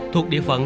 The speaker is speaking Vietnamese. thuộc địa phận